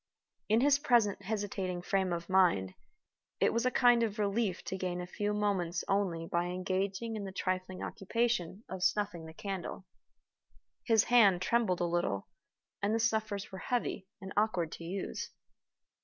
In his present hesitating frame of mind, it was a kind of relief to gain a few moments only by engaging in the trifling occupation of snuffing the candle. His hand trembled a little, and the snuffers were heavy and awkward to use.